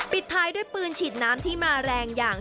ปิดท้ายด้วยปืนฉีดน้ำที่มาแรงอย่าง